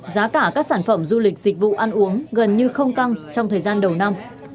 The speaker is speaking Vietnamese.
giá cả các sản phẩm du lịch dịch vụ ăn uống gần như không tăng trong thời gian đầu năm